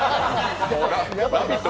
「ラヴィット！」